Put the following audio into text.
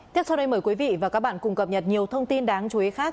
tiếp sau đây mời quý vị và các bạn cùng cập nhật nhiều thông tin đáng chú ý khác